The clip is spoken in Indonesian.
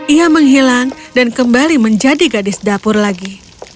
ia menghilang dan kembali menjadi gadis dapur lagi